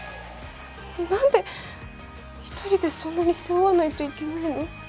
何で１人でそんなに背負わないといけないの？